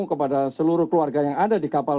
kepada seluruh keluarga yang ada di kapal